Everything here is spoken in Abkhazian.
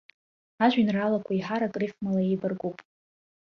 Ажәеинраалақәа еиҳарак рифмала еибаркуп.